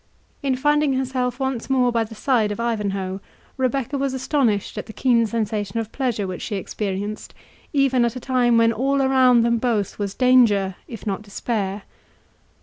In finding herself once more by the side of Ivanhoe, Rebecca was astonished at the keen sensation of pleasure which she experienced, even at a time when all around them both was danger, if not despair.